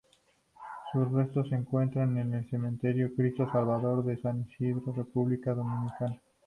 Sus restos se encuentran en el cementerio Cristo Salvador de San Isidro, República Dominicana.